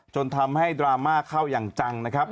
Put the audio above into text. จนทำให้ดราม่าเข้าอย่างจังนะครับ